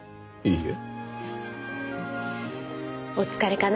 いいえ。